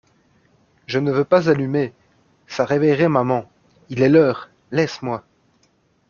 Je ne veux pas allumer, ça réveillerait maman … Il est l'heure, laisse-moi.